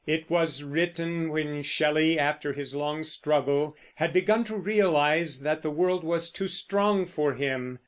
It was written when Shelley, after his long struggle, had begun to realize that the world was too strong for him.